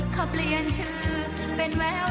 ข้าเปลี่ยนชื่อเป็นแววดาว